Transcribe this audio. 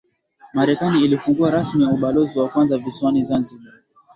Marekani ilifungua rasmi ubalozi wa kwanza visiwani Zanzibar